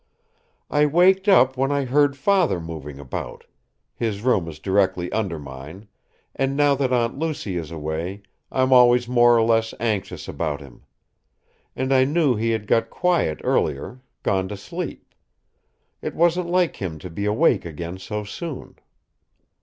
"I waked up when I heard father moving about his room is directly under mine; and, now that Aunt Lucy is away, I'm always more or less anxious about him. And I knew he had got quiet earlier, gone to sleep. It wasn't like him to be awake again so soon.